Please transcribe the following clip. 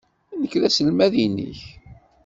Nekk d taselmadt-nnek.